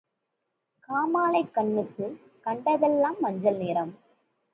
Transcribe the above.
காமாலைக் கண்ணுக்குக் கண்டதெல்லாம் மஞ்சள் நிறம்.